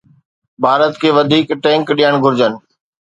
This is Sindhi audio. ڀارت کي وڌيڪ ٽينڪ ڏيڻ گهرجن.